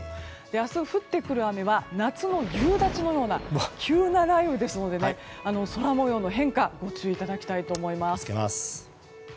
明日降ってくる雨は夏の夕立のような急な雷雨ですので空模様の変化ご注意いただきたいと思います。